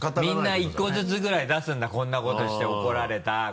みんな１個ずつぐらい出すんだこんなことして怒られた。